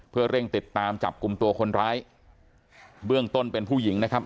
เพื่อเร่งติดตามจับกลุ่มตัวคนร้ายเบื้องต้นเป็นผู้หญิงนะครับ